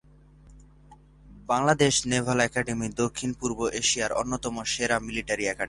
Bangladesh naval academy দক্ষিণ-পূর্ব এশিয়ার অন্যতম সেরা মিলিটারী একাডেমী।